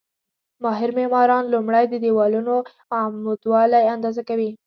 ماهر معماران لومړی د دېوالونو عمودوالی اندازه کوي.